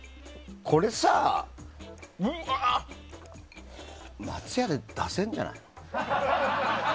これさ松屋で出せるんじゃない？